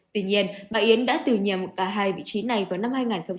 tuy nhiên bà yến đã từ nhầm cả hai vị trí này vào năm hai nghìn một mươi